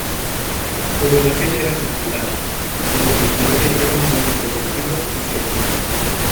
Su relación era complicada, dado que Claude era un hombre posesivo y celoso.